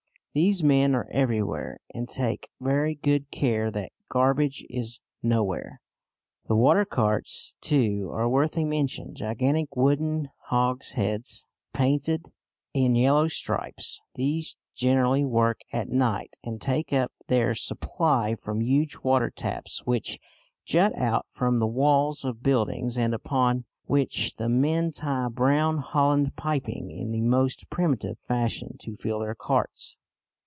These men are everywhere, and take very good care that garbage is nowhere. The water carts, too, are worth a mention: gigantic wooden hogsheads painted in yellow stripes. These generally work at night, and take up their supply from huge water taps which jut out from the walls of buildings, and upon which the men tie brown holland piping in the most primitive fashion to fill their carts.